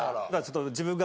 自分が。